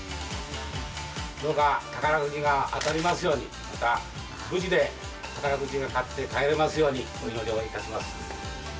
どうか宝くじが当たりますように、また無事で宝くじを買って帰れますようにお祈りいたします。